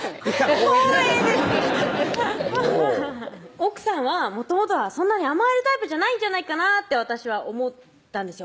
奥さんはもともとはそんなに甘えるタイプじゃないんじゃないかなって私は思ったんですよ